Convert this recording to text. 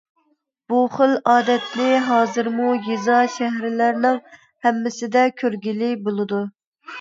بۇ خىل ئادەتنى ھازىرمۇ يېزا شەھەرلەرنىڭ ھەممىسىدە كۆرگىلى بولىدۇ.